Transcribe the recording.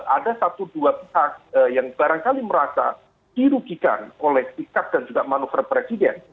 ada satu dua pihak yang barangkali merasa dirugikan oleh sikap dan juga manuver presiden